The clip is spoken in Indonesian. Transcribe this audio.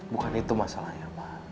bukan itu masalahnya mah